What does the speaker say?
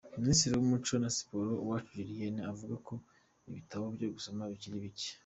Minisitiri w’umuco na Siporo, Uwacu Julienne avuga ko ibitabo byo gusoma bikiri bike.